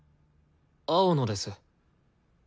青野です。